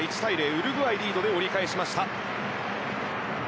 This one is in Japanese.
ウルグアイリードで折り返しました。